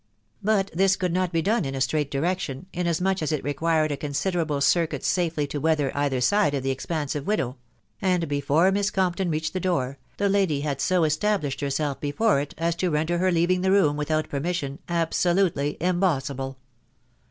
But this could not be done in a straight direction, inasmuch as it required a considerable circuit safely to weather either side of the expansive widow; and before Miss Compton reached the door, that lady had so established herself before it as to render her leaving the room without permission absolutely impossible.